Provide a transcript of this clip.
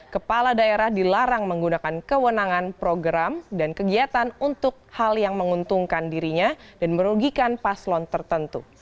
kepala daerah dilarang menggunakan kewenangan program dan kegiatan untuk hal yang menguntungkan dirinya dan merugikan paslon tertentu